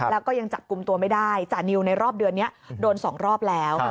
แล้วก็ยังจับกลุ่มตัวไม่ได้จานิวในรอบเดือนนี้โดน๒รอบแล้ว